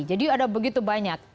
jadi ada begitu banyak